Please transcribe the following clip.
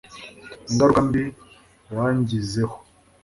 ingaruka mbi wangizeho